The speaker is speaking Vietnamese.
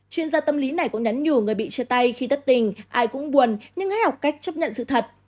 chuyên gia tâm lý này cũng nhắn nhủ người bị chia tay khi đất tình ai cũng buồn nhưng hãy học cách chấp nhận sự thật